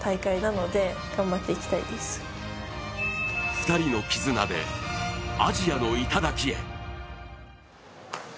２人の絆でアジアの頂へ。